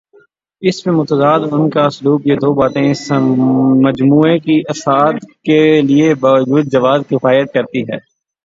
اس پہ مستزاد ان کا اسلوب یہ دوباتیں اس مجموعے کی اشاعت کے لیے بطورجواز کفایت کرتی ہیں۔